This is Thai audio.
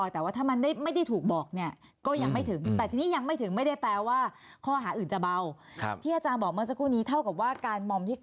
แต่ทีนี้เท่าที่มันเป็นข่าวเนี่ยนะคะ